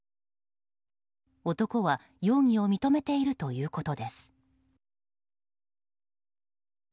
男は容疑を認めているということです。